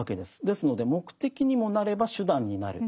ですので目的にもなれば手段になる。